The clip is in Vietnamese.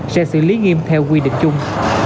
sẽ xử lý nghiêm theo quy định chung